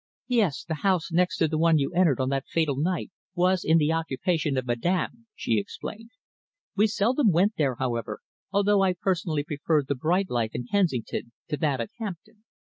"Yes, the house next to the one you entered on that fatal night was in the occupation of Madame," she explained. "We seldom went there, however, although I personally preferred the bright life in Kensington to that at Hampton.